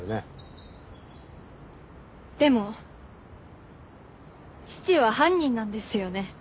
でも父は犯人なんですよね？